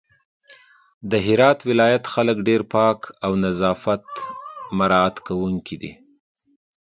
د هرات ولايت خلک ډېر پاک او نظافت مرعت کونکي دي